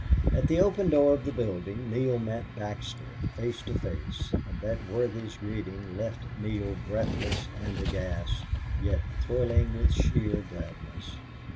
At the open door of the building Neale met Baxter face to face, and that worthy's greeting left Neale breathless and aghast, yet thrilling with sheer gladness.